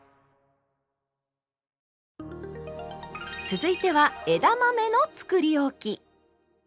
続いては枝豆のつくりおき。